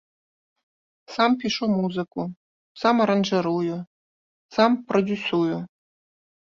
Сам пішу музыку, сам аранжырую, сам прадзюсую.